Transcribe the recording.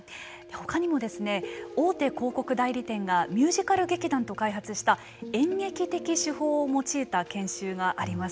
ほかにも大手広告代理店がミュージカル劇団と開発した演劇的手法を用いた研修があります。